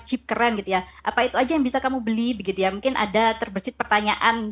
chip keren gitu ya apa itu aja yang bisa kamu beli begitu ya mungkin ada terbersih pertanyaan